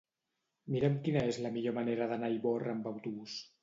Mira'm quina és la millor manera d'anar a Ivorra amb autobús.